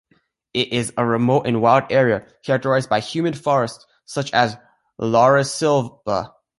It is a remote and wild area characterized by humid forests, such as "laurisilva".